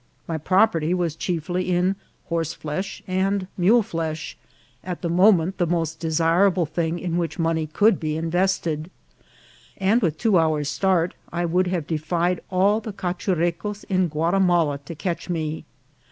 My property was chiefly in horseflesh and muleflesh, at the moment the most desi rable thing in which money could be invested ; and with two hours' start, I would have defied all the Cachure cos in Guatimala to catch me.